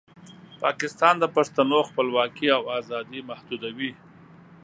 پاکستان د پښتنو خپلواکۍ او ازادۍ محدودوي.